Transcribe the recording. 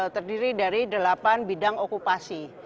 terdiri dari delapan bidang okupasi